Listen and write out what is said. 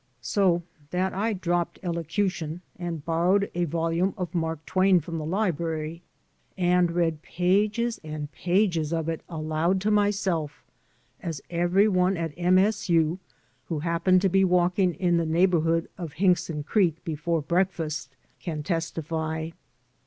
So that I dropped elocution and borrowed a volume of Mark Twain from the library and read pages and pages of it aloud to myself, as every one at M. S. U. who happened to be walking in the neighborhood of Hinkson Creek before breakfast can testify.